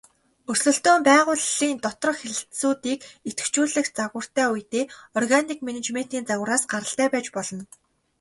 Өрсөлдөөн байгууллын доторх хэлтсүүдийг идэвхжүүлэх загвартай үедээ органик менежментийн загвараас гаралтай байж болно.